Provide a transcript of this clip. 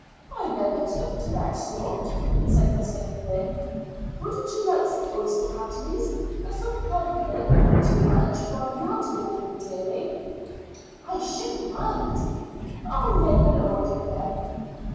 "I never took to that sort," said Miss O'Flynn. "Wouldn't you like some oyster patties and some plumcake to munch while you are talking, deary?" "I shouldn't mind." "I'll ring and order them."